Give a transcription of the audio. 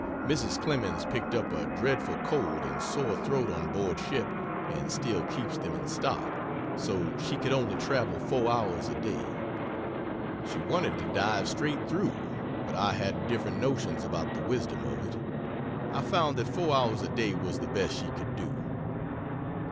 Mrs. Clemens picked up a dreadful cold and sore throat on board ship and still keeps them in stock so she could only travel 4 hours a day. She wanted to dive straight through, but I had different notions about the wisdom of it. I found that 4 hours a day was the best she could do.